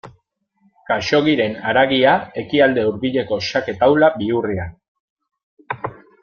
Khaxoggiren haragia Ekialde Hurbileko xake taula bihurrian.